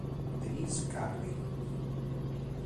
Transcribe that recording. Denise Curry